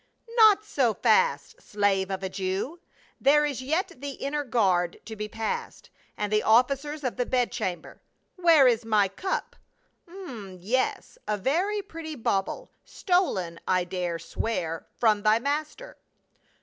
" Not so fast, slave of a Jew ; there is yet the inner guard to be passed, and the officers of the bed cham ber. Where is my cup ? Um — yes, a very pretty bauble, stolen, I dare swear, from thy master."